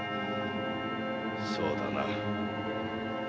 そうだな。